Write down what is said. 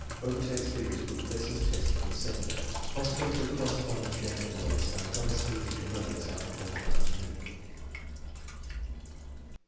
Bobertag's figures would place the test in year VII. Possibly the cor responding German words are not as easy to learn as our morning and afternoon.